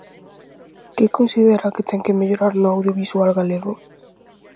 Que considera que ten que mellorar no audiovisual galego?